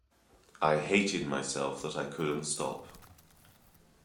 I hated myself that I couldn't stop.